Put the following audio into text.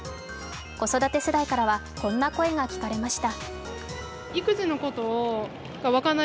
子育て世帯からはこんな声が聞かれました。